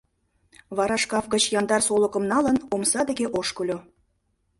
Вара шкаф гыч яндар солыкым налын, омса деке ошкыльо.